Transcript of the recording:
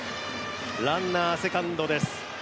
ランナー、セカンドです。